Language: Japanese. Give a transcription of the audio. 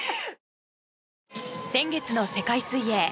先月の世界水泳